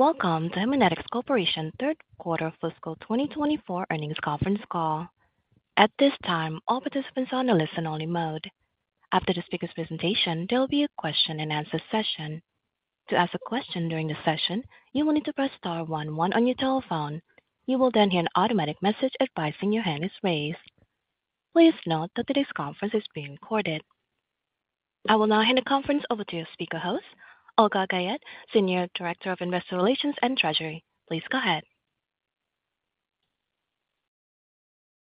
Welcome to Haemonetics Corporation third quarter fiscal 2024 earnings conference call. At this time, all participants are on a listen-only mode. After the speaker's presentation, there will be a question-and-answer session. To ask a question during the session, you will need to press star one one on your telephone. You will then hear an automatic message advising your hand is raised. Please note that today's conference is being recorded. I will now hand the conference over to your speaker host, Olga Guyette, Senior Director of Investor Relations and Treasury. Please go ahead.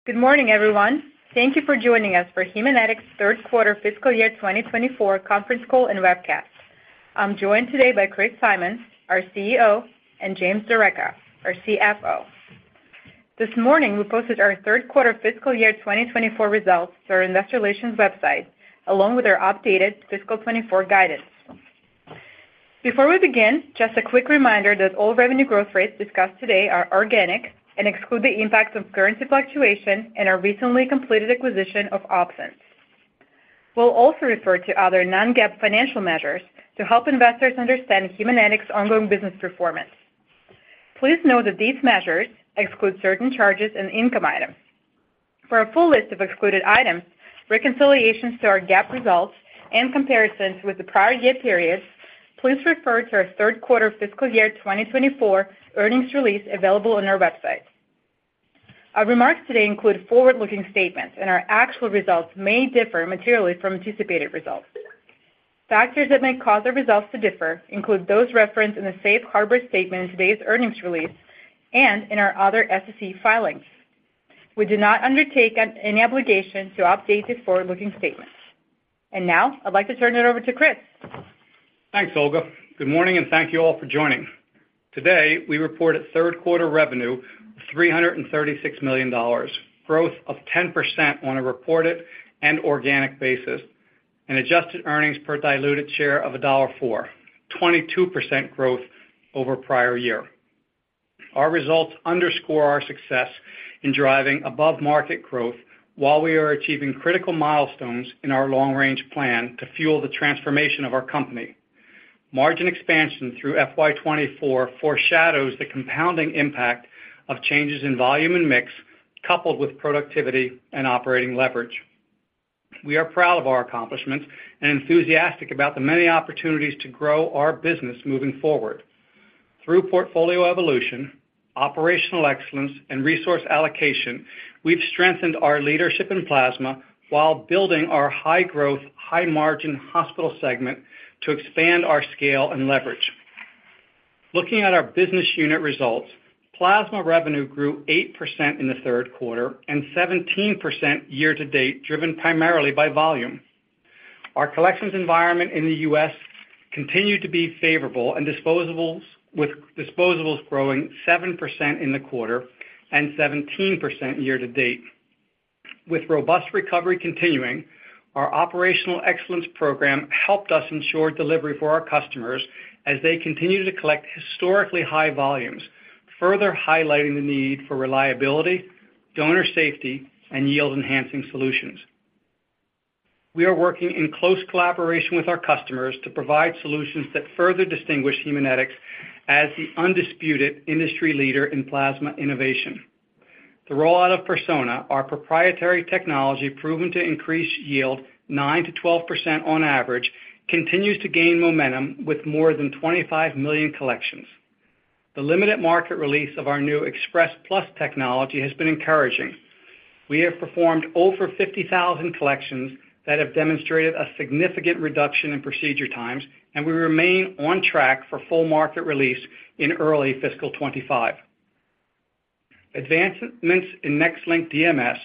Good morning, everyone. Thank you for joining us for Haemonetics' third quarter fiscal year 2024 conference call and webcast. I'm joined today by Chris Simon, our CEO, and James D'Arecca, our CFO. This morning, we posted our third quarter fiscal year 2024 results to our investor relations website, along with our updated fiscal 2024 guidance. Before we begin, just a quick reminder that all revenue growth rates discussed today are organic and exclude the impacts of currency fluctuation and our recently completed acquisition of OpSens. We'll also refer to other non-GAAP financial measures to help investors understand Haemonetics' ongoing business performance. Please know that these measures exclude certain charges and income items. For a full list of excluded items, reconciliations to our GAAP results, and comparisons with the prior year periods, please refer to our third quarter fiscal year 2024 earnings release available on our website. Our remarks today include forward-looking statements, and our actual results may differ materially from anticipated results. Factors that may cause our results to differ include those referenced in the safe harbor statement in today's earnings release and in our other SEC filings. We do not undertake any obligation to update these forward-looking statements. Now I'd like to turn it over to Chris. Thanks, Olga. Good morning, and thank you all for joining. Today, we reported third quarter revenue of $336 million, growth of 10% on a reported and organic basis, and adjusted earnings per diluted share of $1.04, 22% growth over prior year. Our results underscore our success in driving above-market growth while we are achieving critical milestones in our long-range plan to fuel the transformation of our company. Margin expansion through FY 2024 foreshadows the compounding impact of changes in volume and mix, coupled with productivity and operating leverage. We are proud of our accomplishments and enthusiastic about the many opportunities to grow our business moving forward. Through portfolio evolution, operational excellence, and resource allocation, we've strengthened our leadership in plasma while building our high-growth, high-margin hospital segment to expand our scale and leverage. Looking at our business unit results, plasma revenue grew 8% in the third quarter and 17% year to date, driven primarily by volume. Our collections environment in the U.S. continued to be favorable, and disposables, with disposables growing 7% in the quarter and 17% year to date. With robust recovery continuing, our operational excellence program helped us ensure delivery for our customers as they continue to collect historically high volumes, further highlighting the need for reliability, donor safety, and yield-enhancing solutions. We are working in close collaboration with our customers to provide solutions that further distinguish Haemonetics as the undisputed industry leader in plasma innovation. The rollout of Persona, our proprietary technology proven to increase yield 9%-12% on average, continues to gain momentum with more than 25 million collections. The limited market release of our new Express Plus technology has been encouraging. We have performed over 50,000 collections that have demonstrated a significant reduction in procedure times, and we remain on track for full market release in early fiscal 2025. Advancements in NexLynk DMS,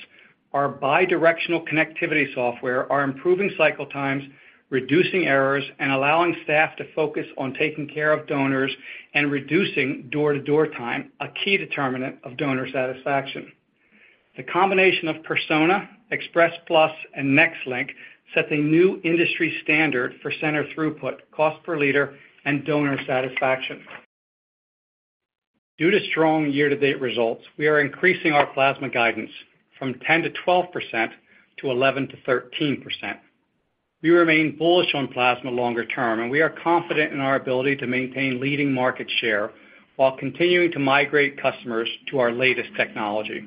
our bidirectional connectivity software, are improving cycle times, reducing errors, and allowing staff to focus on taking care of donors and reducing door-to-door time, a key determinant of donor satisfaction. The combination of Persona, Express Plus, and NexLynk sets a new industry standard for center throughput, cost per liter, and donor satisfaction. Due to strong year-to-date results, we are increasing our plasma guidance from 10%-12% to 11%-13%. We remain bullish on plasma longer term, and we are confident in our ability to maintain leading market share while continuing to migrate customers to our latest technology.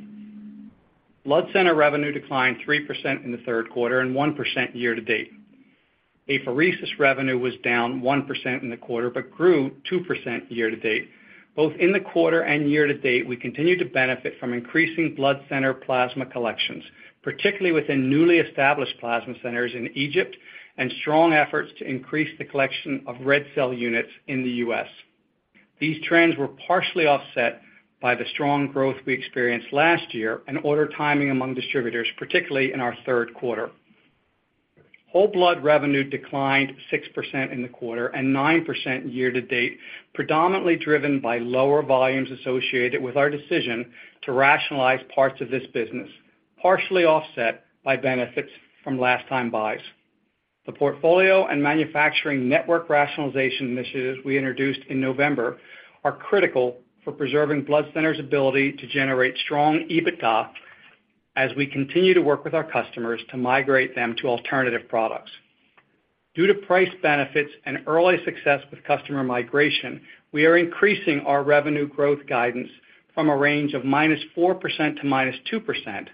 Blood center revenue declined 3% in the third quarter and 1% year to date. Apheresis revenue was down 1% in the quarter, but grew 2% year to date. Both in the quarter and year to date, we continued to benefit from increasing blood center plasma collections, particularly within newly established plasma centers in Egypt, and strong efforts to increase the collection of red cell units in the U.S. These trends were partially offset by the strong growth we experienced last year and order timing among distributors, particularly in our third quarter. Whole blood revenue declined 6% in the quarter and 9% year to date, predominantly driven by lower volumes associated with our decision to rationalize parts of this business, partially offset by benefits from last time buys. The portfolio and manufacturing network rationalization initiatives we introduced in November are critical for preserving blood centers' ability to generate strong EBITDA as we continue to work with our customers to migrate them to alternative products. Due to price benefits and early success with customer migration, we are increasing our revenue growth guidance from a range of -4% - -2%,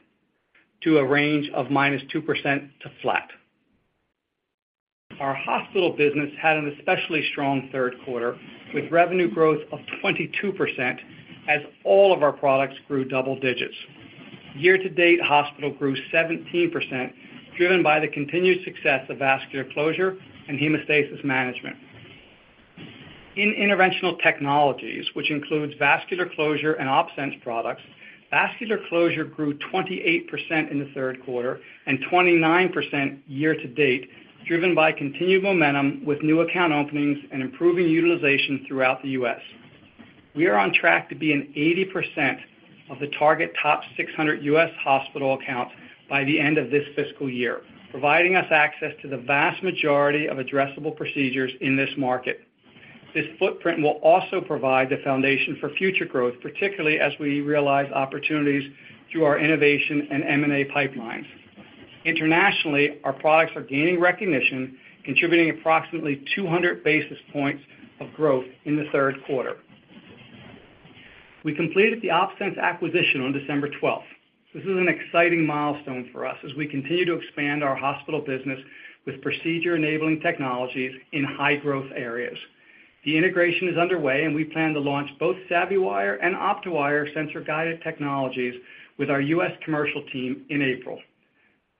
to a range of -2% to flat. Our hospital business had an especially strong third quarter, with revenue growth of 22%, as all of our products grew double digits. Year-to-date, hospital grew 17%, driven by the continued success of vascular closure and hemostasis management. In interventional technologies, which includes vascular closure and OpSens products, vascular closure grew 28% in the third quarter and 29% year-to-date, driven by continued momentum with new account openings and improving utilization throughout the U.S. We are on track to be in 80% of the target top 600 U.S. hospital accounts by the end of this fiscal year, providing us access to the vast majority of addressable procedures in this market. This footprint will also provide the foundation for future growth, particularly as we realize opportunities through our innovation and M&A pipelines. Internationally, our products are gaining recognition, contributing approximately 200 basis points of growth in the third quarter. We completed the OpSens acquisition on December twelfth. This is an exciting milestone for us as we continue to expand our hospital business with procedure-enabling technologies in high-growth areas. The integration is underway, and we plan to launch both SavvyWire and OptoWire sensor-guided technologies with our U.S. commercial team in April.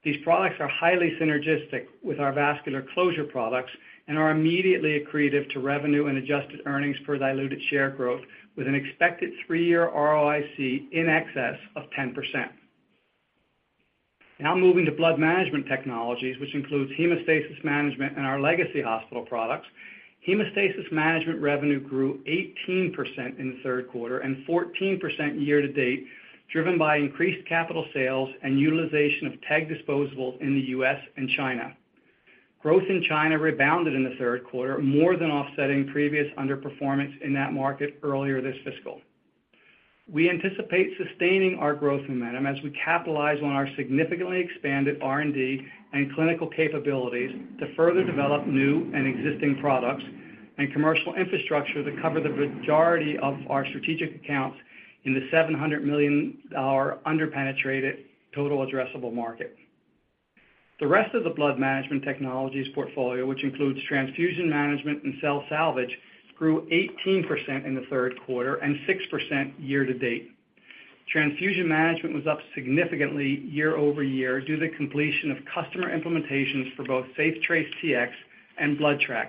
These products are highly synergistic with our vascular closure products and are immediately accretive to revenue and adjusted earnings per diluted share growth, with an expected three-year ROIC in excess of 10%. Now moving to blood management technologies, which includes hemostasis management and our legacy hospital products. Hemostasis management revenue grew 18% in the third quarter and 14% year-to-date, driven by increased capital sales and utilization of TEG disposables in the U.S. and China. Growth in China rebounded in the third quarter, more than offsetting previous underperformance in that market earlier this fiscal. We anticipate sustaining our growth momentum as we capitalize on our significantly expanded R&D and clinical capabilities to further develop new and existing products and commercial infrastructure to cover the majority of our strategic accounts in the $700 million underpenetrated total addressable market. The rest of the blood management technologies portfolio, which includes transfusion management and cell salvage, grew 18% in the third quarter and 6% year-to-date. Transfusion management was up significantly year-over-year due to completion of customer implementations for both SafeTrace Tx and BloodTrack,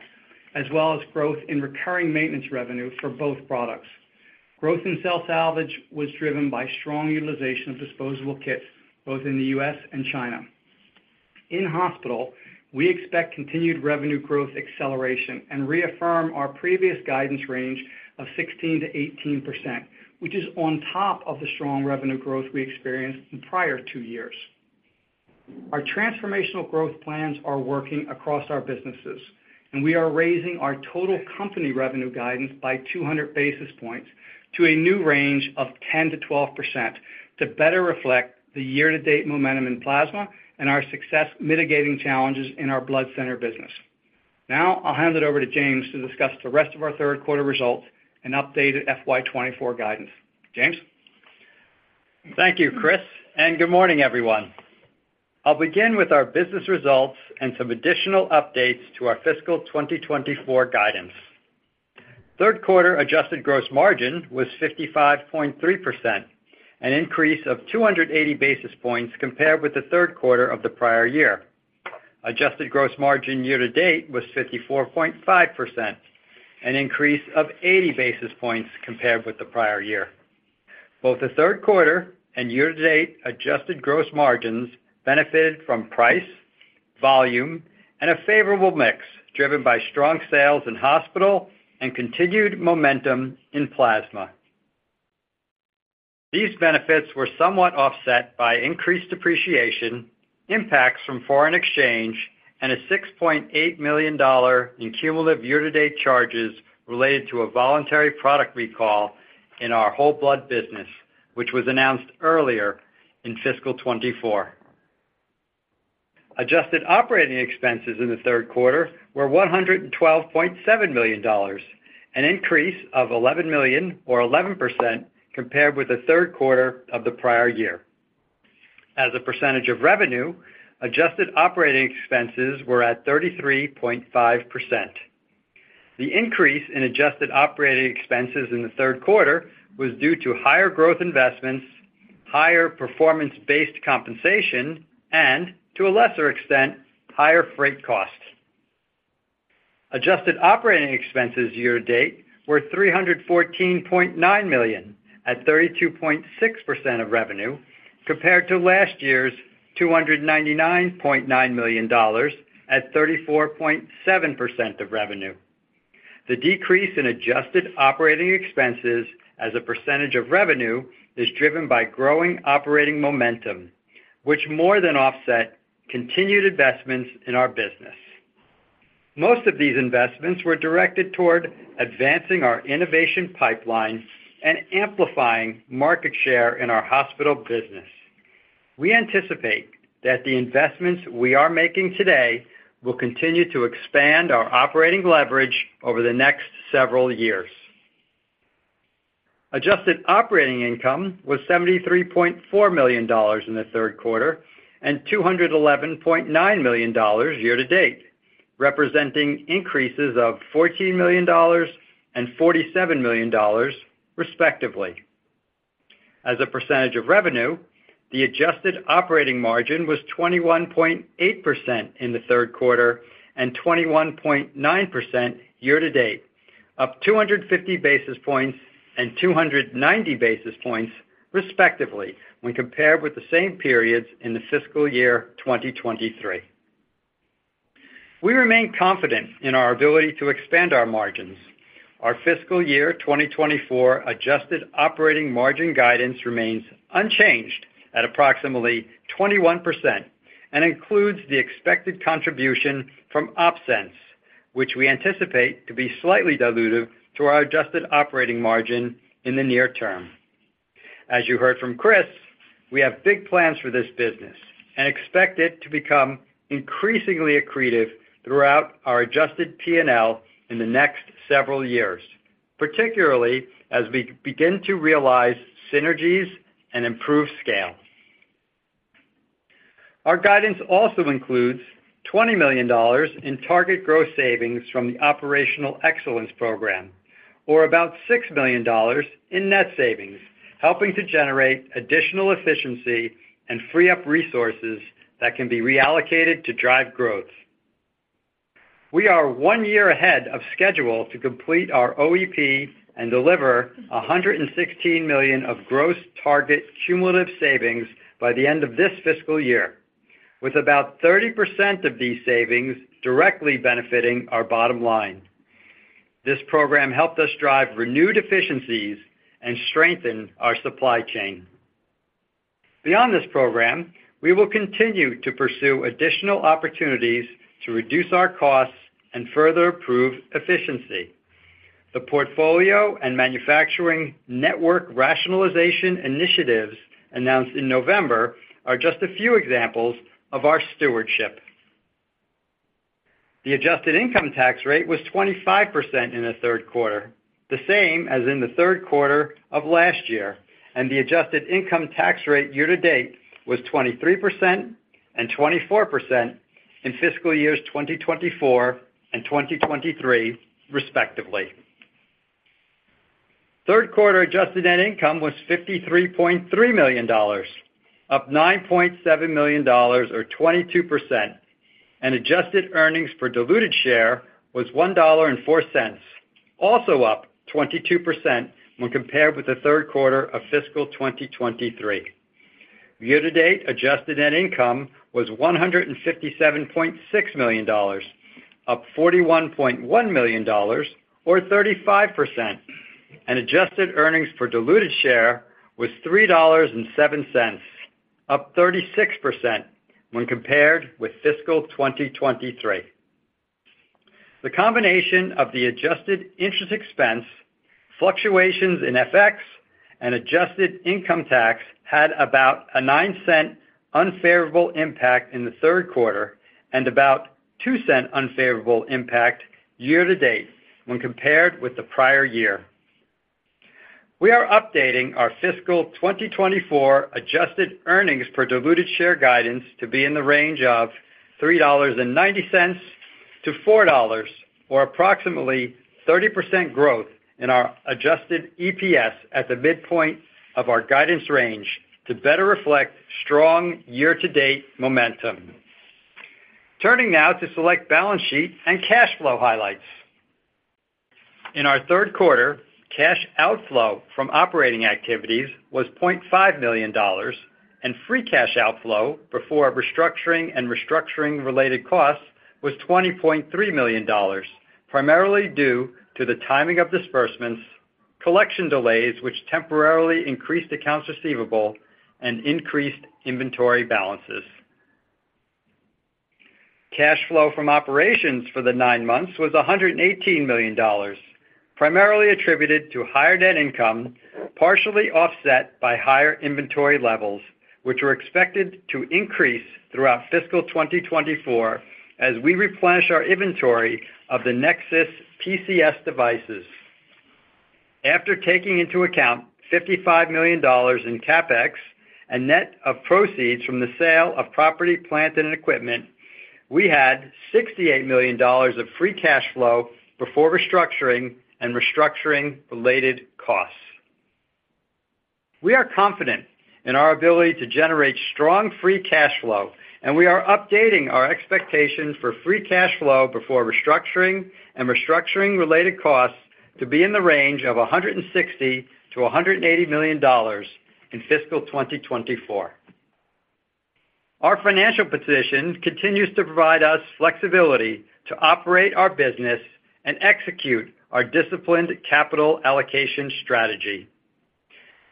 as well as growth in recurring maintenance revenue for both products. Growth in cell salvage was driven by strong utilization of disposable kits, both in the U.S. and China. In hospital, we expect continued revenue growth acceleration and reaffirm our previous guidance range of 16%-18%, which is on top of the strong revenue growth we experienced in the prior two years. Our transformational growth plans are working across our businesses, and we are raising our total company revenue guidance by 200 basis points to a new range of 10%-12% to better reflect the year-to-date momentum in plasma and our success mitigating challenges in our blood center business. Now, I'll hand it over to James to discuss the rest of our third quarter results and updated FY 2024 guidance. James? Thank you, Chris, and good morning, everyone. I'll begin with our business results and some additional updates to our fiscal 2024 guidance. Third quarter adjusted gross margin was 55.3%, an increase of 280 basis points compared with the third quarter of the prior year. Adjusted gross margin year-to-date was 54.5%, an increase of 80 basis points compared with the prior year. Both the third quarter and year-to-date adjusted gross margins benefited from price, volume, and a favorable mix, driven by strong sales in hospital and continued momentum in plasma. These benefits were somewhat offset by increased depreciation, impacts from foreign exchange, and a $6.8 million in cumulative year-to-date charges related to a voluntary product recall in our whole blood business, which was announced earlier in fiscal 2024. Adjusted operating expenses in the third quarter were $112.7 million, an increase of $11 million or 11% compared with the third quarter of the prior year. As a percentage of revenue, adjusted operating expenses were at 33.5%. The increase in adjusted operating expenses in the third quarter was due to higher growth investments, higher performance-based compensation, and, to a lesser extent, higher freight costs. Adjusted operating expenses year-to-date were $314.9 million, at 32.6% of revenue, compared to last year's $299.9 million at 34.7% of revenue. The decrease in adjusted operating expenses as a percentage of revenue is driven by growing operating momentum, which more than offset continued investments in our business. Most of these investments were directed toward advancing our innovation pipeline and amplifying market share in our hospital business. We anticipate that the investments we are making today will continue to expand our operating leverage over the next several years. Adjusted operating income was $73.4 million in the third quarter, and $211.9 million year-to-date, representing increases of $14 million and $47 million, respectively. As a percentage of revenue, the adjusted operating margin was 21.8% in the third quarter and 21.9% year-to-date, up 250 basis points and 290 basis points, respectively, when compared with the same periods in the fiscal year 2023. We remain confident in our ability to expand our margins. Our fiscal year 2024 adjusted operating margin guidance remains unchanged at approximately 21% and includes the expected contribution from OpSens, which we anticipate to be slightly dilutive to our adjusted operating margin in the near term. As you heard from Chris, we have big plans for this business and expect it to become increasingly accretive throughout our adjusted P&L in the next several years, particularly as we begin to realize synergies and improve scale. Our guidance also includes $20 million in target gross savings from the Operational Excellence Program, or about $6 million in net savings, helping to generate additional efficiency and free up resources that can be reallocated to drive growth. We are one year ahead of schedule to complete our OEP and deliver $116 million of gross target cumulative savings by the end of this fiscal year, with about 30% of these savings directly benefiting our bottom line. This program helped us drive renewed efficiencies and strengthen our supply chain. Beyond this program, we will continue to pursue additional opportunities to reduce our costs and further improve efficiency. The portfolio and manufacturing network rationalization initiatives announced in November are just a few examples of our stewardship. The adjusted income tax rate was 25% in the third quarter, the same as in the third quarter of last year, and the adjusted income tax rate year-to-date was 23% and 24% in fiscal years 2024 and 2023, respectively. Third quarter adjusted net income was $53.3 million, up $9.7 million or 22%, and adjusted earnings per diluted share was $1.04, also up 22% when compared with the third quarter of fiscal 2023. Year-to-date adjusted net income was $157.6 million, up $41.1 million or 35%, and adjusted earnings per diluted share was $3.07, up 36% when compared with fiscal 2023. The combination of the adjusted interest expense, fluctuations in FX, and adjusted income tax had about a $0.09 unfavorable impact in the third quarter and about a $0.02 unfavorable impact year-to-date when compared with the prior year. We are updating our fiscal 2024 adjusted earnings per diluted share guidance to be in the range of $3.90-$4.00, or approximately 30% growth in our adjusted EPS at the midpoint of our guidance range, to better reflect strong year-to-date momentum. Turning now to select balance sheet and cash flow highlights. In our third quarter, cash outflow from operating activities was $0.5 million, and free cash outflow before restructuring and restructuring-related costs was $20.3 million, primarily due to the timing of disbursements, collection delays, which temporarily increased accounts receivable, and increased inventory balances. Cash flow from operations for the nine months was $118 million, primarily attributed to higher net income, partially offset by higher inventory levels, which are expected to increase throughout fiscal 2024 as we replenish our inventory of the NexSys PCS devices. After taking into account $55 million in CapEx and net of proceeds from the sale of property, plant, and equipment, we had $68 million of free cash flow before restructuring and restructuring-related costs. We are confident in our ability to generate strong free cash flow, and we are updating our expectations for free cash flow before restructuring and restructuring-related costs to be in the range of $160 million-$180 million in fiscal 2024. Our financial position continues to provide us flexibility to operate our business and execute our disciplined capital allocation strategy.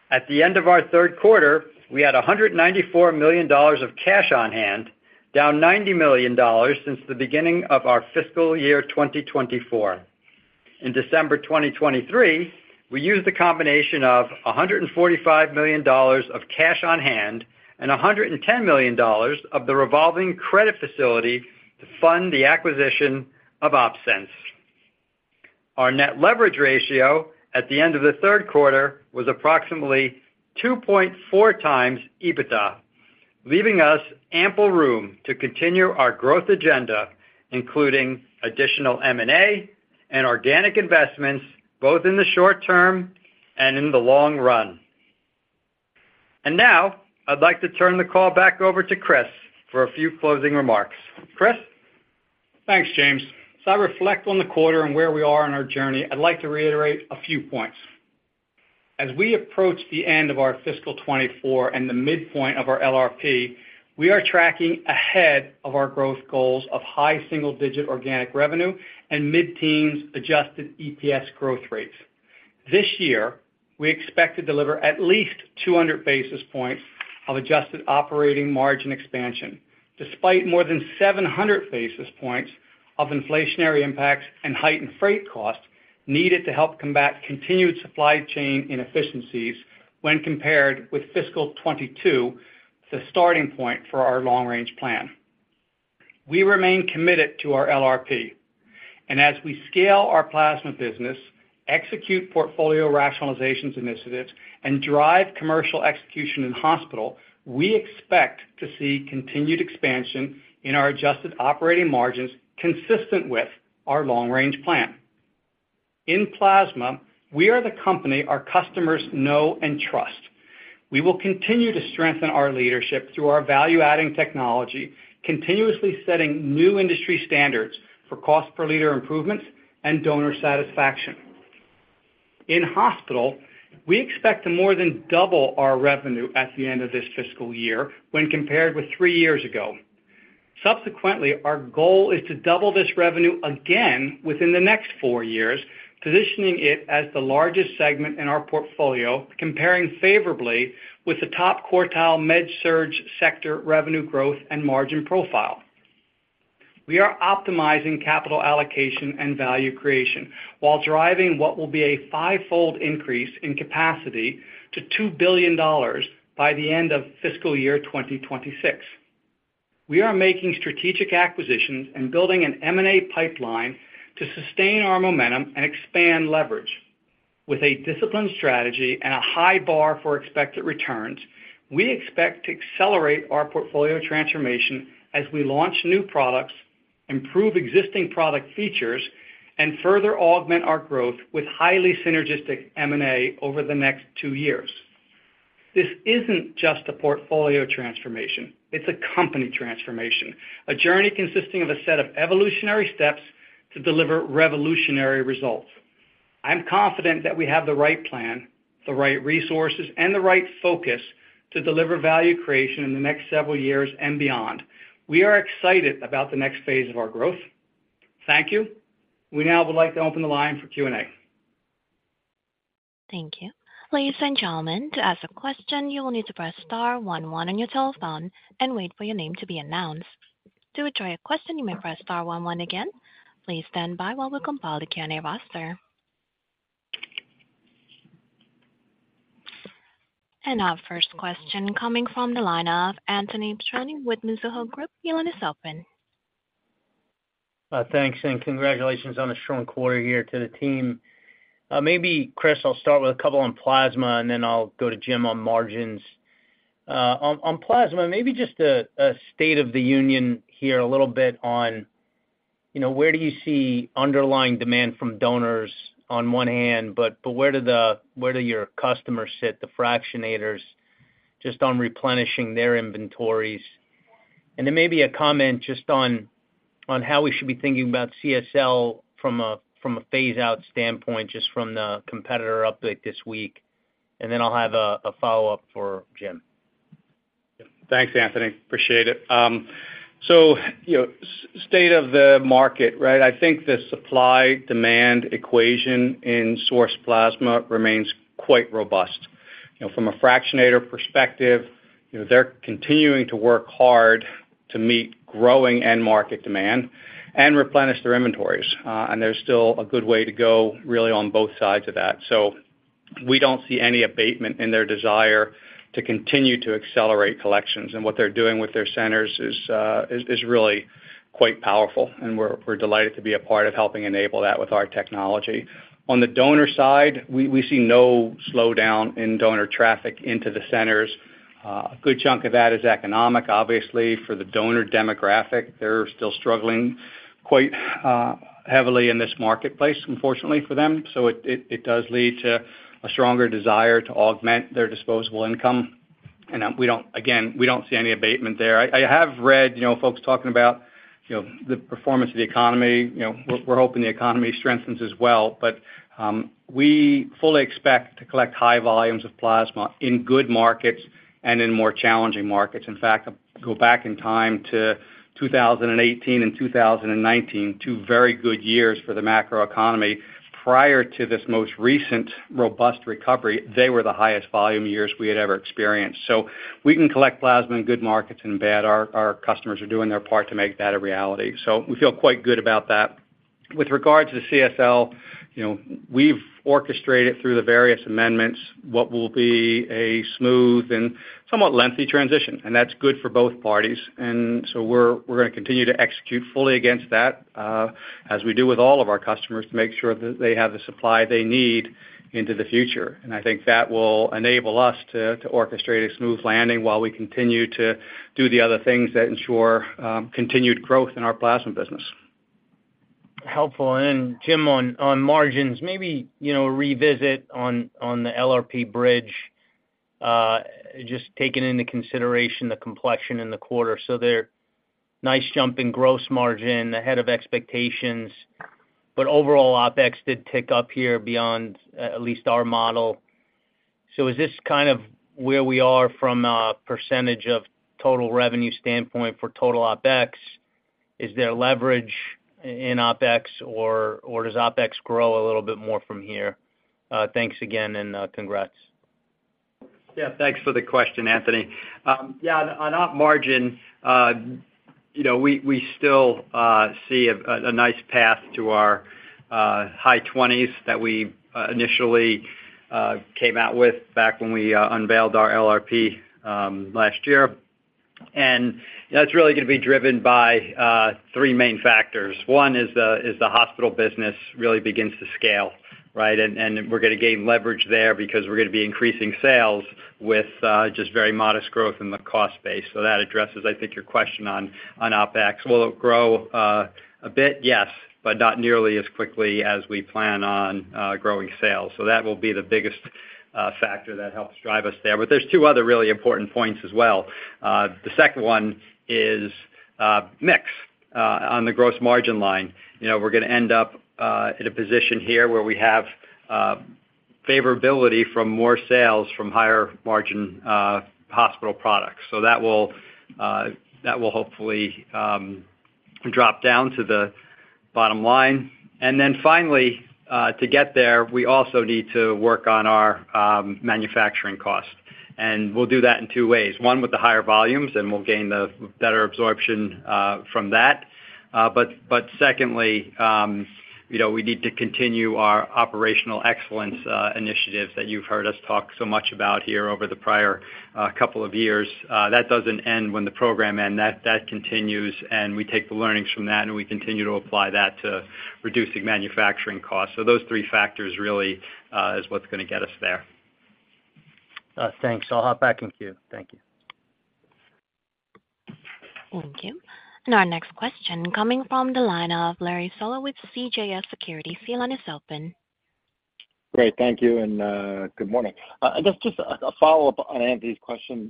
At the end of our third quarter, we had $194 million of cash on hand, down $90 million since the beginning of our fiscal year 2024. In December 2023, we used a combination of $145 million of cash on hand and $110 million of the revolving credit facility to fund the acquisition of OpSens. Our net leverage ratio at the end of the third quarter was approximately 2.4 times EBITDA, leaving us ample room to continue our growth agenda, including additional M&A and organic investments, both in the short term and in the long run. Now, I'd like to turn the call back over to Chris for a few closing remarks. Chris? Thanks, James. As I reflect on the quarter and where we are on our journey, I'd like to reiterate a few points. As we approach the end of our fiscal 2024 and the midpoint of our LRP, we are tracking ahead of our growth goals of high single-digit organic revenue and mid-teens adjusted EPS growth rates. This year, we expect to deliver at least 200 basis points of adjusted operating margin expansion, despite more than 700 basis points of inflationary impacts and heightened freight costs needed to help combat continued supply chain inefficiencies when compared with fiscal 2022, the starting point for our long-range plan. We remain committed to our LRP, and as we scale our plasma business, execute portfolio rationalizations initiatives, and drive commercial execution in hospital, we expect to see continued expansion in our adjusted operating margins, consistent with our long-range plan. In plasma, we are the company our customers know and trust. We will continue to strengthen our leadership through our value-adding technology, continuously setting new industry standards for cost per liter improvements and donor satisfaction. In hospital, we expect to more than double our revenue at the end of this fiscal year when compared with three years ago. Subsequently, our goal is to double this revenue again within the next four years, positioning it as the largest segment in our portfolio, comparing favorably with the top quartile MedSurg sector revenue growth and margin profile. We are optimizing capital allocation and value creation while driving what will be a fivefold increase in capacity to $2 billion by the end of fiscal year 2026. We are making strategic acquisitions and building an M&A pipeline to sustain our momentum and expand leverage. With a disciplined strategy and a high bar for expected returns, we expect to accelerate our portfolio transformation as we launch new products, improve existing product features, and further augment our growth with highly synergistic M&A over the next two years. This isn't just a portfolio transformation, it's a company transformation, a journey consisting of a set of evolutionary steps to deliver revolutionary results. I'm confident that we have the right plan, the right resources, and the right focus to deliver value creation in the next several years and beyond. We are excited about the next phase of our growth. Thank you. We now would like to open the line for Q&A. Thank you. Ladies and gentlemen, to ask a question, you will need to press star one one on your telephone and wait for your name to be announced. To withdraw your question, you may press star one one again. Please stand by while we compile the Q&A roster. Our first question coming from the line of Anthony Petrone with Mizuho Group. Your line is open. Thanks, and congratulations on a strong quarter here to the team. Maybe, Chris, I'll start with a couple on plasma, and then I'll go to Jim on margins. On plasma, maybe just a state of the union here, a little bit on, you know, where do you see underlying demand from donors on one hand, but where do your customers sit, the fractionators, just on replenishing their inventories? And then maybe a comment just on how we should be thinking about CSL from a phase-out standpoint, just from the competitor update this week. And then I'll have a follow-up for Jim. Thanks, Anthony. Appreciate it. So, you know, state of the market, right? I think the supply-demand equation in source plasma remains quite robust. You know, from a fractionator perspective, you know, they're continuing to work hard to meet growing end-market demand and replenish their inventories. And there's still a good way to go really on both sides of that. So we don't see any abatement in their desire to continue to accelerate collections, and what they're doing with their centers is really quite powerful, and we're delighted to be a part of helping enable that with our technology. On the donor side, we see no slowdown in donor traffic into the centers. A good chunk of that is economic. Obviously, for the donor demographic, they're still struggling quite heavily in this marketplace, unfortunately for them, so it does lead to a stronger desire to augment their disposable income. And we don't, again, we don't see any abatement there. I have read, you know, folks talking about, you know, the performance of the economy. You know, we're hoping the economy strengthens as well. But we fully expect to collect high volumes of plasma in good markets and in more challenging markets. In fact, go back in time to 2018 and 2019, two very good years for the macroeconomy. Prior to this most recent robust recovery, they were the highest volume years we had ever experienced. So we can collect plasma in good markets and bad. Our customers are doing their part to make that a reality, so we feel quite good about that. With regards to CSL, you know, we've orchestrated through the various amendments what will be a smooth and somewhat lengthy transition, and that's good for both parties. And so we're gonna continue to execute fully against that, as we do with all of our customers, to make sure that they have the supply they need into the future. And I think that will enable us to orchestrate a smooth landing while we continue to do the other things that ensure continued growth in our plasma business. Helpful. Jim, on margins, maybe you know, revisit on the LRP bridge, just taking into consideration the complexion in the quarter. So, nice jump in gross margin ahead of expectations, but overall, OpEx did tick up here beyond at least our model. So is this kind of where we are from a percentage of total revenue standpoint for total OpEx? Is there leverage in OpEx, or does OpEx grow a little bit more from here? Thanks again, and congrats. Yeah, thanks for the question, Anthony. Yeah, on op margin, you know, we still see a nice path to our high twenties that we initially came out with back when we unveiled our LRP last year. And that's really gonna be driven by three main factors. One is the hospital business really begins to scale, right? And we're gonna gain leverage there because we're gonna be increasing sales with just very modest growth in the cost base. So that addresses, I think, your question on OpEx. Will it grow a bit? Yes, but not nearly as quickly as we plan on growing sales. So that will be the biggest factor that helps drive us there. But there's two other really important points as well. The second one is mix on the gross margin line. You know, we're gonna end up in a position here where we have favorability from more sales from higher margin hospital products. So that will, that will hopefully drop down to the bottom line. And then finally, to get there, we also need to work on our manufacturing cost, and we'll do that in two ways. One, with the higher volumes, and we'll gain the better absorption from that. But secondly, you know, we need to continue our operational excellence initiatives that you've heard us talk so much about here over the prior couple of years. That doesn't end when the program end. That continues, and we take the learnings from that, and we continue to apply that to reducing manufacturing costs. So those three factors really, is what's gonna get us there. Thanks. I'll hop back in queue. Thank you. Thank you. Our next question coming from the line of Larry Solow with CJS Securities. Your line is open. Great. Thank you, and good morning. Just a follow-up on Anthony's question,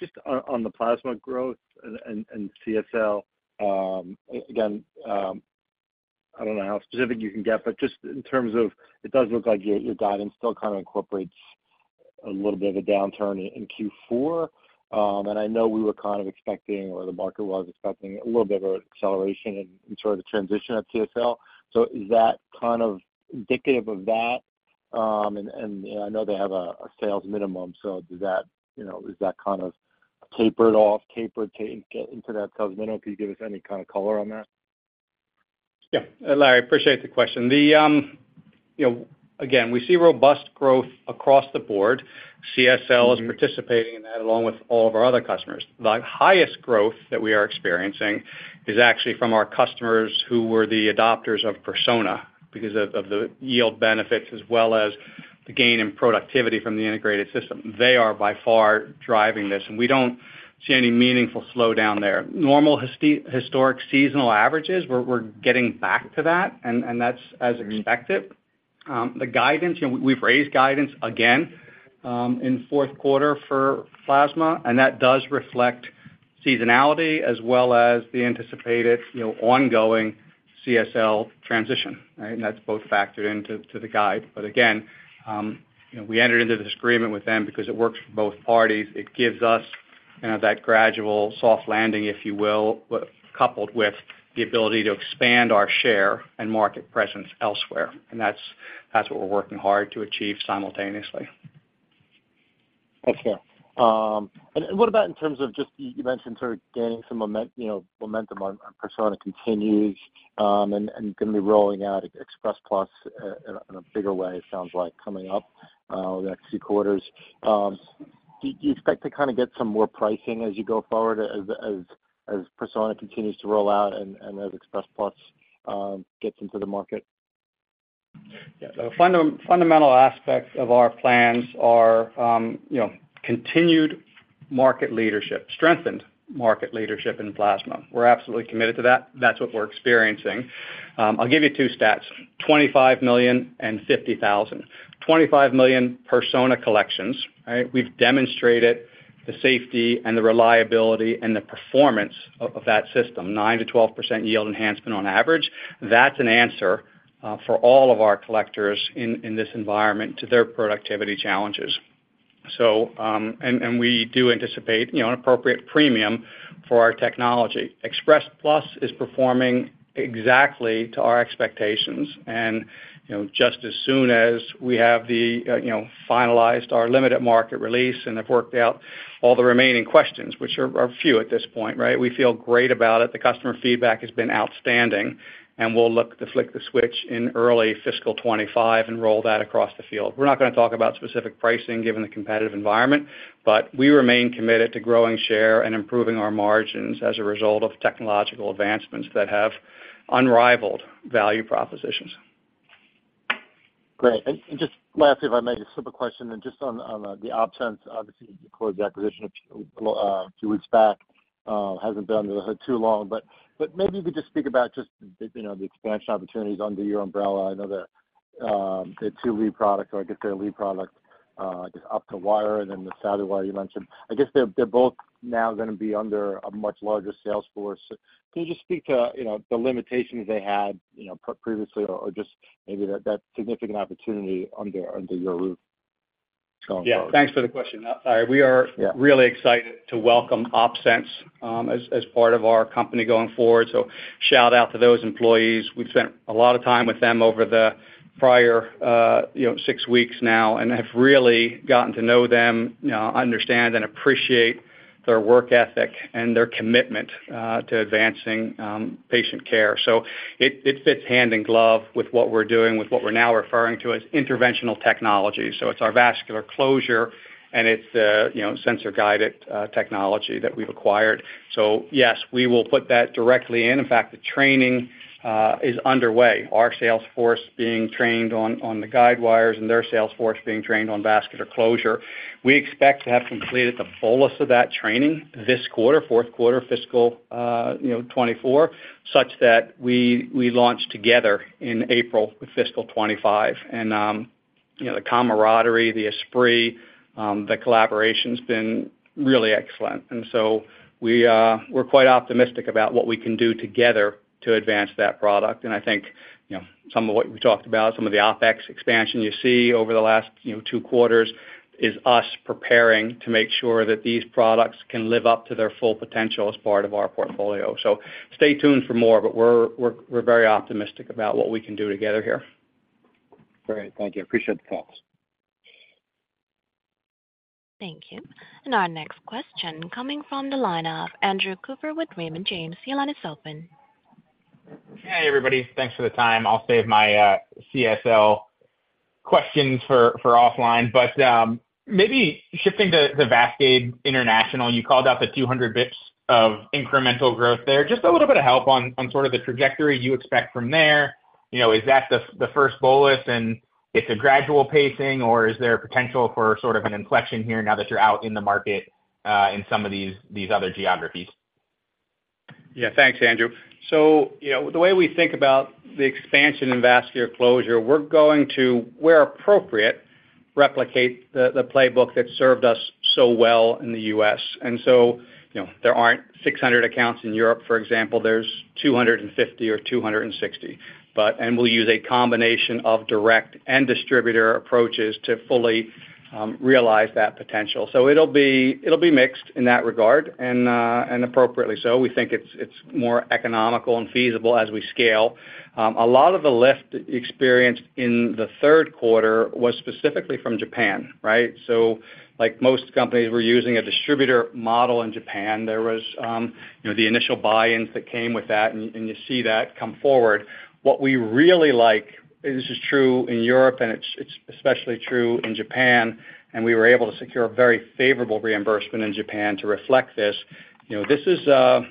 just on the plasma growth and CSL. Again, I don't know how specific you can get, but just in terms of, it does look like your guidance still kind of incorporates a little bit of a downturn in Q4. And I know we were kind of expecting, or the market was expecting, a little bit of an acceleration in sort of the transition at CSL. So is that kind of indicative of that? And I know they have a sales minimum, so does that, you know, is that kind of tapered off to get into that sales minimum? Can you give us any kind of color on that? Yeah. Larry, appreciate the question. The, you know, again, we see robust growth across the board. CSL is participating in that, along with all of our other customers. The highest growth that we are experiencing is actually from our customers who were the adopters of Persona, because of the yield benefits, as well as the gain in productivity from the integrated system. They are, by far, driving this, and we don't see any meaningful slowdown there. Normal historic seasonal averages, we're getting back to that, and that's as expected. The guidance, you know, we've raised guidance again, in fourth quarter for plasma, and that does reflect seasonality as well as the anticipated, you know, ongoing CSL transition, right? And that's both factored into the guide. But again, you know, we entered into this agreement with them because it works for both parties. It gives us, you know, that gradual soft landing, if you will, coupled with the ability to expand our share and market presence elsewhere, and that's, that's what we're working hard to achieve simultaneously. Thanks, yeah. And what about in terms of just, you mentioned sort of gaining some momentum, you know, on Persona continues, and gonna be rolling out Express Plus in a bigger way, it sounds like, coming up over the next few quarters. Do you expect to kind of get some more pricing as you go forward, as Persona continues to roll out and as Express Plus gets into the market? Yeah. So fundamental aspects of our plans are, you know, continued market leadership, strengthened market leadership in plasma. We're absolutely committed to that. That's what we're experiencing. I'll give you two stats, 25 million and 50,000. 25 million Persona collections, right? We've demonstrated the safety and the reliability and the performance of that system, 9%-12% yield enhancement on average. That's an answer for all of our collectors in this environment to their productivity challenges. So, and we do anticipate, you know, an appropriate premium for our technology. Express Plus is performing exactly to our expectations. And, you know, just as soon as we have finalized our limited market release and have worked out all the remaining questions, which are few at this point, right? We feel great about it. The customer feedback has been outstanding, and we'll look to flick the switch in early fiscal 2025 and roll that across the field. We're not going to talk about specific pricing given the competitive environment, but we remain committed to growing share and improving our margins as a result of technological advancements that have unrivaled value propositions. Great. And just lastly, if I may, just a simple question, and just on the OpSens, obviously, you acquired the acquisition a few weeks back, hasn't been under the hood too long. But maybe if you just speak about just the, you know, the expansion opportunities under your umbrella. I know that the two lead products, or I guess, they're lead products, just OptoWire and then the SavvyWire you mentioned. I guess they're both now going to be under a much larger sales force. Can you just speak to, you know, the limitations they had, you know, previously or just maybe that significant opportunity under your roof? Yeah, thanks for the question. Sorry. We are- Yeah. really excited to welcome OpSens, as part of our company going forward. So shout out to those employees. We've spent a lot of time with them over the prior, you know, six weeks now, and have really gotten to know them, you know, understand and appreciate their work ethic and their commitment to advancing patient care. So it fits hand in glove with what we're doing, with what we're now referring to as interventional technology. So it's our vascular closure, and it's the, you know, sensor-guided technology that we've acquired. So yes, we will put that directly in. In fact, the training is underway. Our sales force being trained on the guidewires and their sales force being trained on vascular closure. We expect to have completed the fullest of that training this quarter, fourth quarter, fiscal, you know, 2024, such that we launch together in April with fiscal 2025. And, you know, the camaraderie, the esprit, the collaboration's been really excellent. And so we're quite optimistic about what we can do together to advance that product. And I think, you know, some of what we talked about, some of the OpEx expansion you see over the last, you know, two quarters, is us preparing to make sure that these products can live up to their full potential as part of our portfolio. So stay tuned for more, but we're very optimistic about what we can do together here. Great. Thank you. I appreciate the thoughts. Thank you. Our next question coming from the line of Andrew Cooper with Raymond James. Your line is open. Hey, everybody. Thanks for the time. I'll save my CSL questions for offline, but maybe shifting to the VASCADE International, you called out the 200 bips of incremental growth there. Just a little bit of help on sort of the trajectory you expect from there. You know, is that the first bolus, and it's a gradual pacing, or is there potential for sort of an inflection here now that you're out in the market in some of these other geographies? Yeah. Thanks, Andrew. So, you know, the way we think about the expansion in vascular closure, we're going to, where appropriate, replicate the playbook that served us so well in the U.S. And so, you know, there aren't 600 accounts in Europe, for example, there's 250 or 260. But—and we'll use a combination of direct and distributor approaches to fully, realize that potential. So it'll be mixed in that regard, and, and appropriately so. We think it's more economical and feasible as we scale. A lot of the lift experience in the third quarter was specifically from Japan, right? So like most companies, we're using a distributor model in Japan. There was, you know, the initial buy-ins that came with that, and, and you see that come forward. What we really like, and this is true in Europe, and it's especially true in Japan, and we were able to secure a very favorable reimbursement in Japan to reflect this. You know, this is a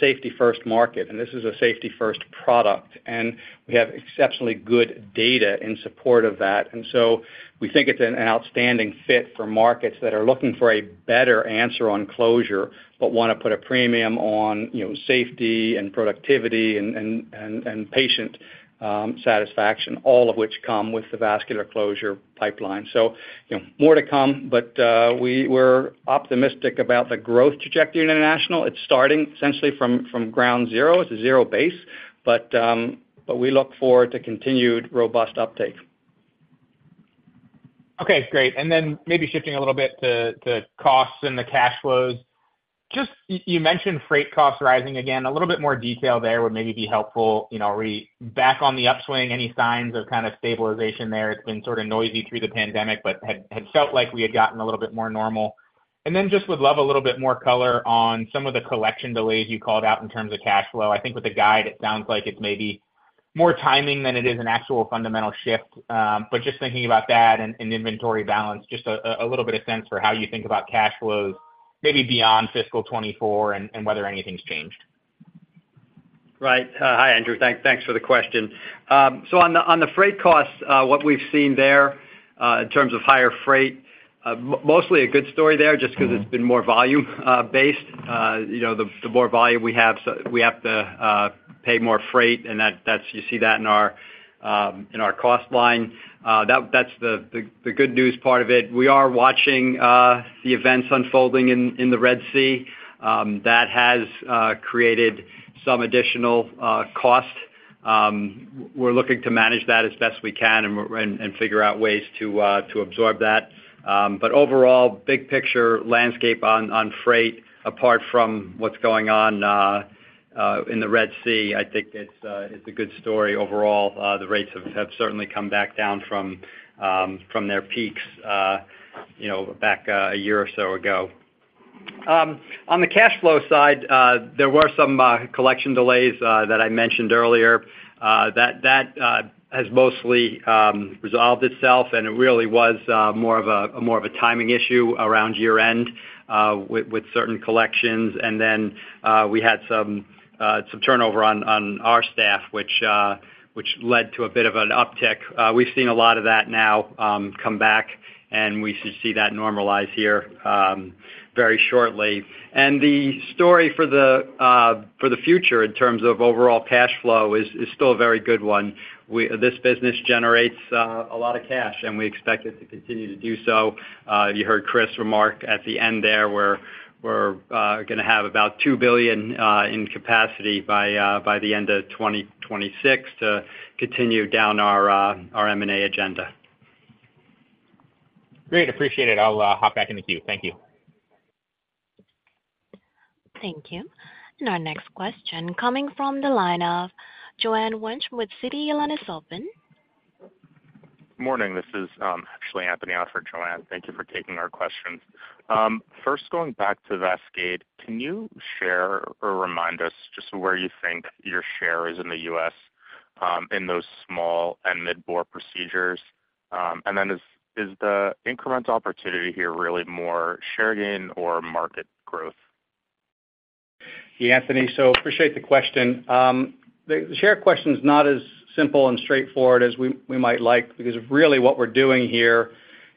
safety-first market, and this is a safety-first product, and we have exceptionally good data in support of that. And so we think it's an outstanding fit for markets that are looking for a better answer on closure, but want to put a premium on, you know, safety and productivity and patient satisfaction, all of which come with the vascular closure pipeline. So, you know, more to come, but we're optimistic about the growth trajectory international. It's starting essentially from ground zero. It's a zero base, but we look forward to continued robust uptake. Okay, great. And then maybe shifting a little bit to costs and the cash flows. Just you mentioned freight costs rising again. A little bit more detail there would maybe be helpful. You know, are we back on the upswing? Any signs of kind of stabilization there? It's been sort of noisy through the pandemic, but had felt like we had gotten a little bit more normal. And then just would love a little bit more color on some of the collection delays you called out in terms of cash flow. I think with the guide, it sounds like it's maybe more timing than it is an actual fundamental shift. But just thinking about that and inventory balance, just a little bit of sense for how you think about cash flows, maybe beyond fiscal 2024 and whether anything's changed. Right. Hi, Andrew. Thanks, thanks for the question. So on the freight costs, what we've seen there, in terms of higher freight, mostly a good story there, just because- Mm-hmm. It's been more volume based. You know, the more volume we have, so we have to pay more freight, and that's. You see that in our cost line. That's the good news part of it. We are watching the events unfolding in the Red Sea that has created some additional cost. We're looking to manage that as best we can and figure out ways to absorb that. But overall, big picture landscape on freight, apart from what's going on in the Red Sea, I think it's a good story overall. The rates have certainly come back down from their peaks, you know, back a year or so ago. On the cash flow side, there were some collection delays that I mentioned earlier. That has mostly resolved itself, and it really was more of a timing issue around year-end with certain collections. Then we had some turnover on our staff, which led to a bit of an uptick. We've seen a lot of that now come back, and we should see that normalize here very shortly. The story for the future, in terms of overall cash flow, is still a very good one. This business generates a lot of cash, and we expect it to continue to do so. You heard Chris remark at the end there, we're gonna have about 2 billion in capacity by the end of 2026 to continue down our M&A agenda. Great, appreciate it. I'll hop back in the queue. Thank you. Thank you. And our next question coming from the line of Joanne Wuensch with Citi. Your line is open. Morning, this is actually Anthony Petrone, Joanne. Thank you for taking our questions. First, going back to VASCADE, can you share or remind us just where you think your share is in the U.S., in those small and mid-bore procedures? And then is the incremental opportunity here really more share gain or market growth? Yeah, Anthony, so appreciate the question. The share question is not as simple and straightforward as we might like, because really what we're doing here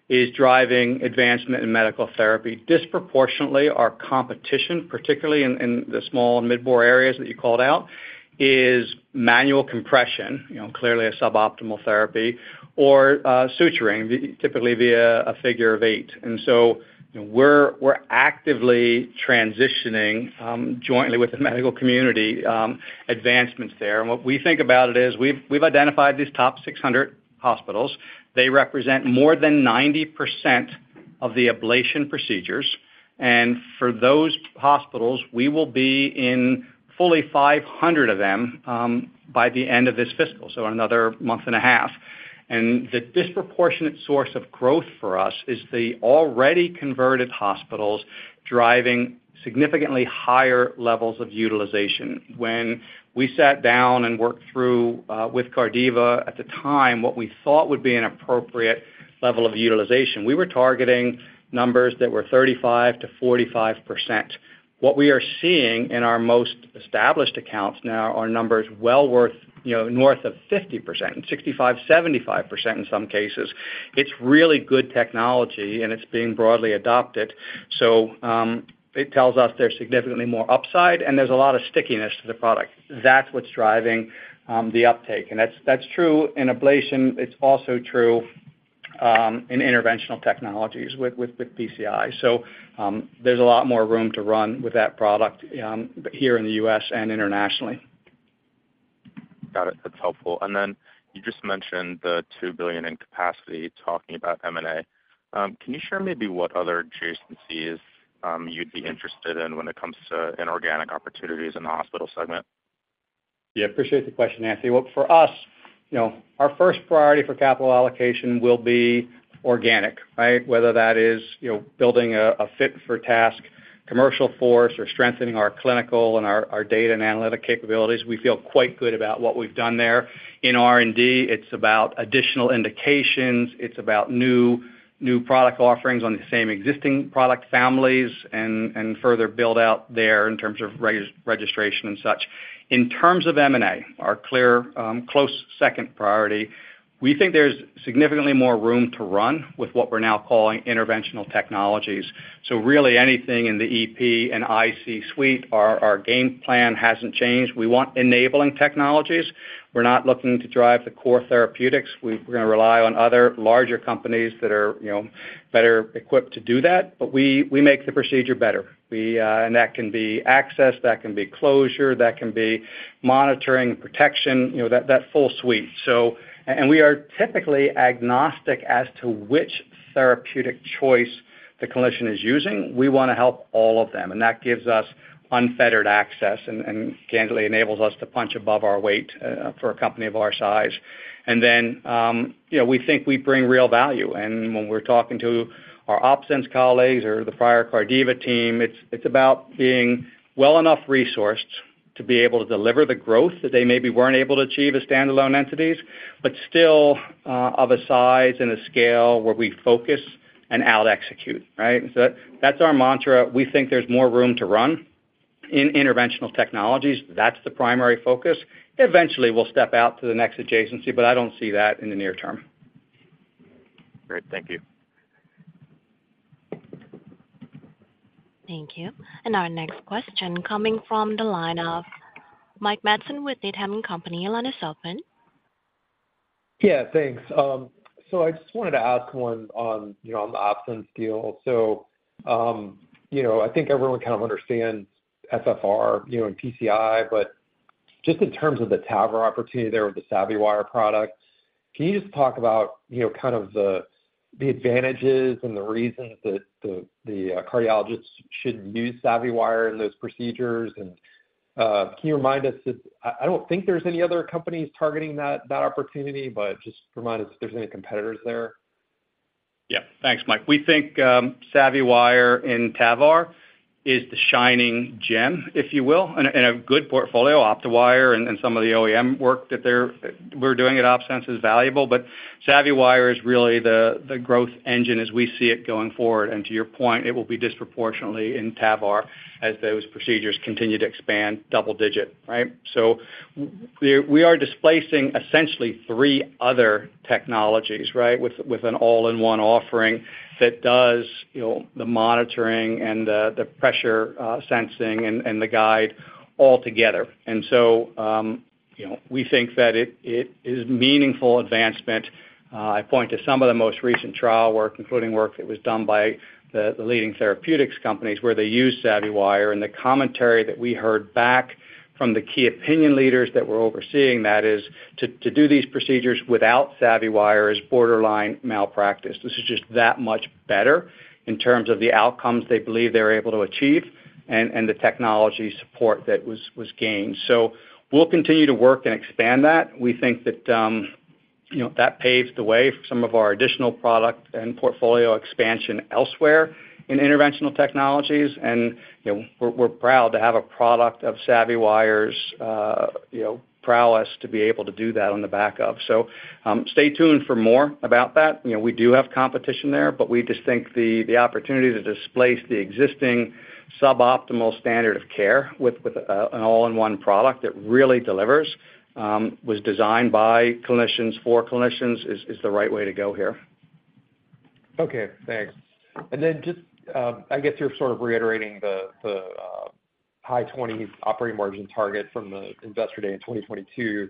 is driving advancement in medical therapy. Disproportionately, our competition, particularly in the small and mid-bore areas that you called out, is manual compression, you know, clearly a suboptimal therapy, or suturing, typically via a figure of eight. And so we're actively transitioning, jointly with the medical community, advancements there. And what we think about it is, we've identified these top 600 hospitals. They represent more than 90% of the ablation procedures, and for those hospitals, we will be in fully 500 of them, by the end of this fiscal, so another month and a half. The disproportionate source of growth for us is the already converted hospitals driving significantly higher levels of utilization. When we sat down and worked through with Cardiva at the time, what we thought would be an appropriate level of utilization, we were targeting numbers that were 35%-45%. What we are seeing in our most established accounts now are numbers well north, you know, of 50%, 65%, 75% in some cases. It's really good technology, and it's being broadly adopted. It tells us there's significantly more upside, and there's a lot of stickiness to the product. That's what's driving the uptake, and that's true in ablation. It's also true in interventional technologies with PCI. There's a lot more room to run with that product here in the U.S. and internationally. Got it. That's helpful. And then you just mentioned the $2 billion in capacity, talking about M&A. Can you share maybe what other adjacencies you'd be interested in when it comes to inorganic opportunities in the hospital segment? Yeah, appreciate the question, Anthony. Well, for us, you know, our first priority for capital allocation will be organic, right? Whether that is, you know, building a fit-for-task commercial force or strengthening our clinical and our data and analytic capabilities, we feel quite good about what we've done there. In R&D, it's about additional indications, it's about new product offerings on the same existing product families, and further build out there in terms of re-registration and such. In terms of M&A, our clear close second priority, we think there's significantly more room to run with what we're now calling interventional technologies. So really anything in the EP and IC suite, our game plan hasn't changed. We want enabling technologies. We're not looking to drive the core therapeutics. We're gonna rely on other larger companies that are, you know, better equipped to do that, but we make the procedure better. We. And that can be access, that can be closure, that can be monitoring, protection, you know, that, that full suite. So, and, and we are typically agnostic as to which therapeutic choice the clinician is using. We wanna help all of them, and that gives us unfettered access and, and candidly, enables us to punch above our weight, for a company of our size. And then, you know, we think we bring real value. when we're talking to our OpSens colleagues or the prior Cardiva team, it's about being well enough resourced to be able to deliver the growth that they maybe weren't able to achieve as standalone entities, but still, of a size and a scale where we focus and out execute, right? So that's our mantra. We think there's more room to run in interventional technologies. That's the primary focus. Eventually, we'll step out to the next adjacency, but I don't see that in the near term. Great. Thank you. Thank you. Our next question coming from the line of Mike Matson with Needham and Company. Your line is open.... Yeah, thanks. So I just wanted to ask one on, you know, on the OpSens deal. So, you know, I think everyone kind of understands FFR, you know, and PCI, but just in terms of the TAVR opportunity there with the SavvyWire product, can you just talk about, you know, kind of the, the advantages and the reasons that the, the cardiologists should use SavvyWire in those procedures? And, can you remind us if... I, I don't think there's any other companies targeting that, that opportunity, but just remind us if there's any competitors there. Yeah. Thanks, Mike. We think SavvyWire and TAVR is the shining gem, if you will, and a good portfolio, OptoWire and some of the OEM work that we're doing at OpSens is valuable. But SavvyWire is really the growth engine as we see it going forward. And to your point, it will be disproportionately in TAVR as those procedures continue to expand double-digit, right? So we are displacing essentially three other technologies, right? With an all-in-one offering that does, you know, the monitoring and the pressure sensing and the guide all together. And so, you know, we think that it is meaningful advancement. I point to some of the most recent trial work, including work that was done by the leading therapeutics companies, where they use SavvyWire. The commentary that we heard back from the key opinion leaders that we're overseeing that is to do these procedures without SavvyWire is borderline malpractice. This is just that much better in terms of the outcomes they believe they're able to achieve and the technology support that was gained. So we'll continue to work and expand that. We think that, you know, that paves the way for some of our additional product and portfolio expansion elsewhere in interventional technologies. And, you know, we're proud to have a product of SavvyWire's, you know, prowess to be able to do that on the back of. So, stay tuned for more about that. You know, we do have competition there, but we just think the opportunity to displace the existing suboptimal standard of care with an all-in-one product that really delivers, was designed by clinicians for clinicians, is the right way to go here. Okay, thanks. And then just, I guess you're sort of reiterating the high 20s% operating margin target from the Investor Day in 2022.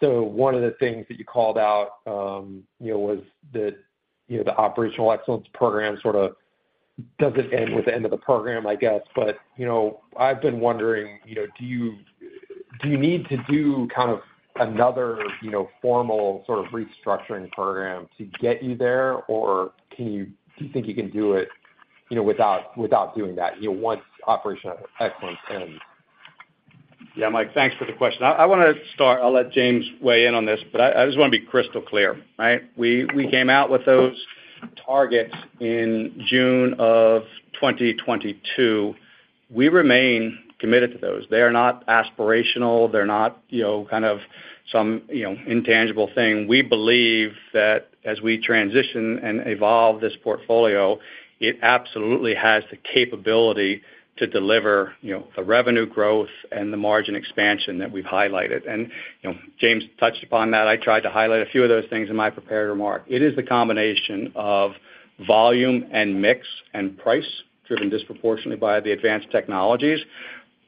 So one of the things that you called out, you know, was that, you know, the Operational Excellence Program sort of doesn't end with the end of the program, I guess. But, you know, I've been wondering, you know, do you need to do kind of another, you know, formal sort of restructuring program to get you there? Or do you think you can do it, you know, without doing that, you know, once operational excellence ends? Yeah, Mike, thanks for the question. I, I wanna start... I'll let James weigh in on this, but I, I just want to be crystal clear, right? We, we came out with those targets in June of 2022. We remain committed to those. They are not aspirational. They're not, you know, kind of some, you know, intangible thing. We believe that as we transition and evolve this portfolio, it absolutely has the capability to deliver, you know, the revenue growth and the margin expansion that we've highlighted. And, you know, James touched upon that. I tried to highlight a few of those things in my prepared remark. It is the combination of volume and mix and price, driven disproportionately by the advanced technologies,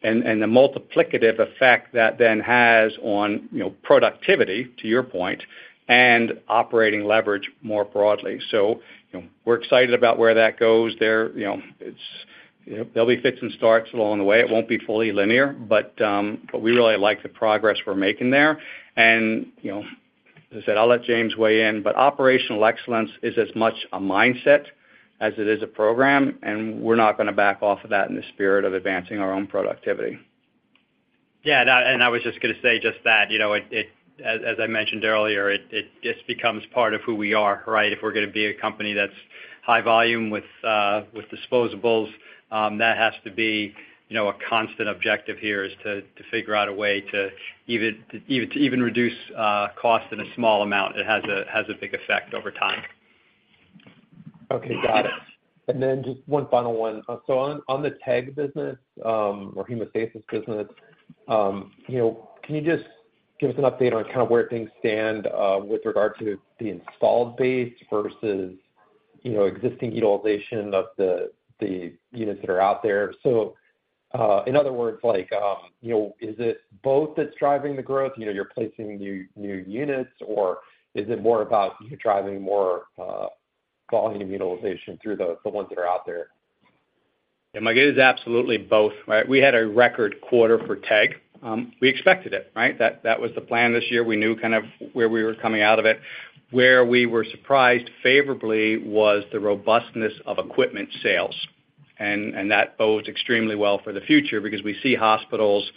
and, and the multiplicative effect that then has on, you know, productivity, to your point, and operating leverage more broadly. So, you know, we're excited about where that goes. There, you know, there'll be fits and starts along the way. It won't be fully linear, but we really like the progress we're making there. And, you know, as I said, I'll let James weigh in, but operational excellence is as much a mindset as it is a program, and we're not going to back off of that in the spirit of advancing our own productivity. Yeah, and I was just going to say just that. You know, as I mentioned earlier, it just becomes part of who we are, right? If we're going to be a company that's high volume with disposables, that has to be, you know, a constant objective here, to figure out a way to even reduce cost in a small amount. It has a big effect over time. Okay, got it. And then just one final one. So on the TEG business, or hemostasis business, you know, can you just give us an update on kind of where things stand with regard to the installed base versus, you know, existing utilization of the units that are out there? So, in other words, like, you know, is it both that's driving the growth? You know, you're placing new units, or is it more about you driving more volume utilization through the ones that are out there? Yeah, Mike, it is absolutely both, right? We had a record quarter for TEG. We expected it, right? That, that was the plan this year. We knew kind of where we were coming out of it. Where we were surprised favorably was the robustness of equipment sales, and, and that bodes extremely well for the future because we see hospitals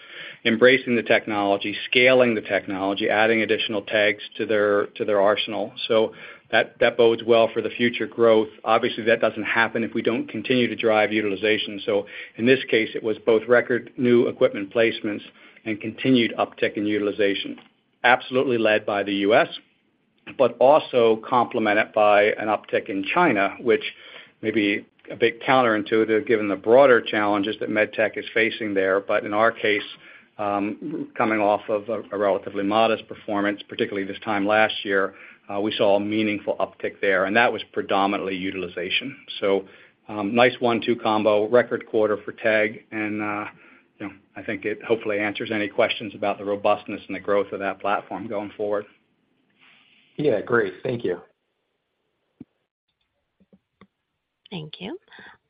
embracing the technology, scaling the technology, adding additional TEGs to their, to their arsenal. So that, that bodes well for the future growth. Obviously, that doesn't happen if we don't continue to drive utilization. So in this case, it was both record new equipment placements and continued uptick in utilization. Absolutely led by the U.S., but also complemented by an uptick in China, which may be a bit counterintuitive given the broader challenges that MedTech is facing there. In our case, coming off of a relatively modest performance, particularly this time last year, we saw a meaningful uptick there, and that was predominantly utilization. So, nice one-two combo, record quarter for TEG, and, you know, I think it hopefully answers any questions about the robustness and the growth of that platform going forward. Yeah, great. Thank you. Thank you.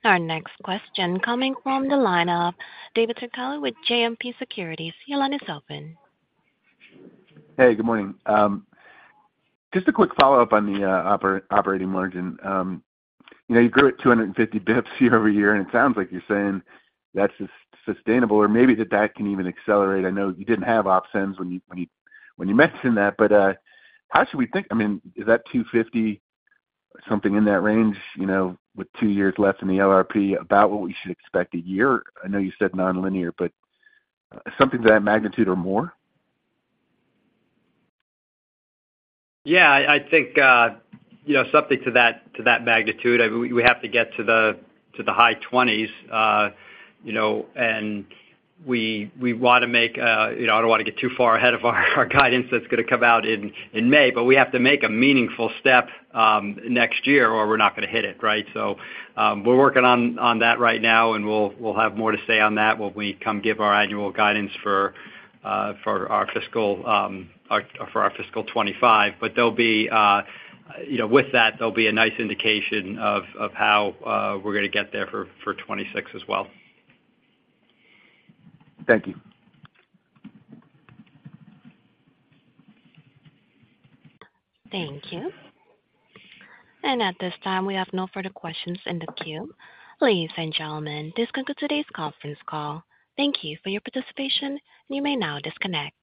Our next question coming from the line of David Turkaly with JMP Securities. Your line is open. Hey, good morning. Just a quick follow-up on the operating margin. You know, you grew at 250 basis points year over year, and it sounds like you're saying that's sustainable or maybe that can even accelerate. I know you didn't have OpSens when you mentioned that, but how should we think? I mean, is that 250, something in that range, you know, with 2 years left in the LRP, about what we should expect a year? I know you said nonlinear, but something to that magnitude or more? Yeah, I think, you know, something to that, to that magnitude. We have to get to the high 20s. You know, and we want to make, you know, I don't want to get too far ahead of our guidance that's going to come out in May, but we have to make a meaningful step next year, or we're not going to hit it, right? So, we're working on that right now, and we'll have more to say on that when we come give our annual guidance for our fiscal 2025. But there'll be, you know, with that, there'll be a nice indication of how we're going to get there for 2026 as well. Thank you. Thank you. At this time, we have no further questions in the queue. Ladies and gentlemen, this concludes today's conference call. Thank you for your participation, and you may now disconnect.